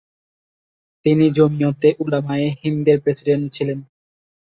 তিনি জমিয়তে উলামায়ে হিন্দের প্রেসিডেন্ট ছিলেন।